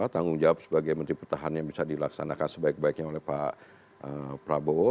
tanggung jawab sebagai menteri pertahanan yang bisa dilaksanakan sebaik baiknya oleh pak prabowo